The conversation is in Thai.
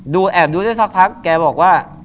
ดูแอบดูกันสักพักแกบอกว่า